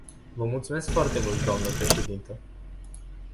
Vă mulțumesc foarte mult, dnă președintă.